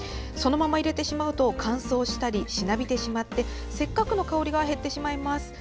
そのまま入れてしまうと乾燥したり、しなびてしまってせっかくの香りが減ってしまいます。